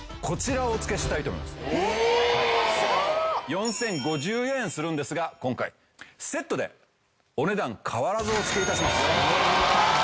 ４０５４円するんですが今回セットでお値段変わらずお付け致します。